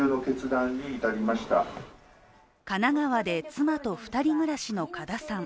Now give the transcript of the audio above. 神奈川で妻と２人暮らしの加田さん。